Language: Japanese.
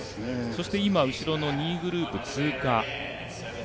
そして今後ろの２位グループ、通過。